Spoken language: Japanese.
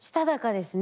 ですね。